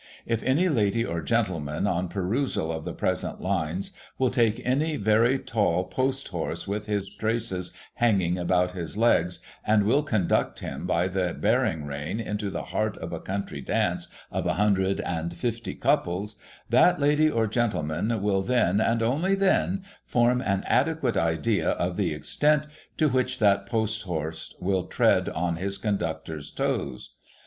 If any lady or gentleman, on perusal of the present lines, will take any very tall post horse with his traces hanging about his legs, and will conduct him by the bearing rein into the heart of a country dance of a hundred and fifty couples, that lady or gentleman will then, and only then, form an adequate idea of the extent to which that post horse will tread on his conductor's toes.